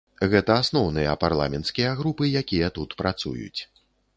Гэта асноўныя парламенцкія групы, якія тут працуюць.